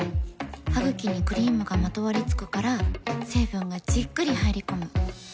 ハグキにクリームがまとわりつくから成分がじっくり入り込む。